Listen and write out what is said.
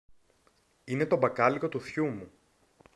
είναι το μπακάλικο του θειού μου